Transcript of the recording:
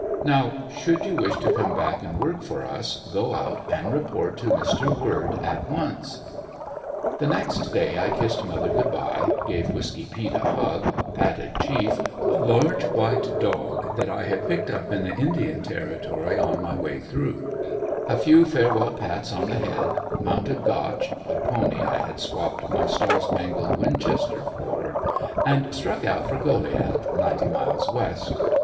Now should you wish to come back and work for us, go out and report to Mr. Word at once." The next day I kissed mother good bye, gave Whisky peet a hug, patted Chief a large white dog that I had picked up in the Indian Territory on my way through a few farewell pats on the head, mounted "Gotch" a pony I had swapped my star spangled winchester for and struck out for Goliad, ninety miles west.